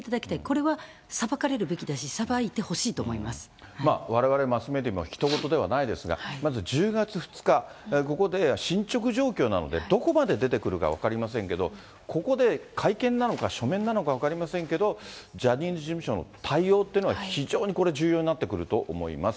これは裁かれるべきだし、われわれ、マスメディアもひと事ではないですが、まず１０月２日、ここで進捗状況なのでどこまで出てくるか分かりませんけど、ここで、会見なのか書面なのか分かりませんけど、ジャニーズ事務所の対応っていうのが非常にこれ、重要になってくると思います。